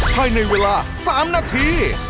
ให้ในเวลา๓นาที